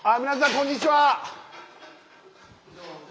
こんにちは。